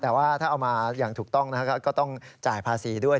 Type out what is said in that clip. แต่ว่าถ้าเอามาอย่างถูกต้องก็ต้องจ่ายภาษีด้วย